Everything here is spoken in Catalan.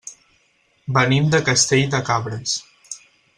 Venim de Castell de Cabres.